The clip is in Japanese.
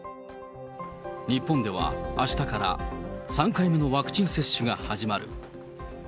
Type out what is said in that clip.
日本では、あしたから３回目のワクチン接種が始まる。